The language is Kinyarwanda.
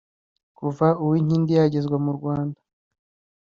Kuva Uwinkindi yagezwa mu Rwanda